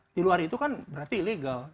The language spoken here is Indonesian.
di luar itu kan berarti ilegal